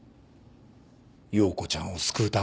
葉子ちゃんを救うためだ。